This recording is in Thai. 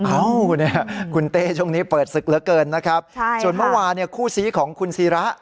เนี่ยคุณเต้ช่วงนี้เปิดศึกเหลือเกินนะครับส่วนเมื่อวานเนี่ยคู่ซีของคุณศิระ